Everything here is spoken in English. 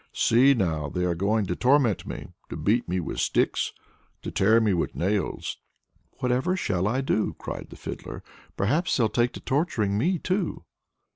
See now, they are going to torment me, to beat me with sticks, to tear me with nails." "Whatever shall I do?" cried the Fiddler. "Perhaps they'll take to torturing me too!"